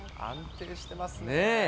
安定してますね。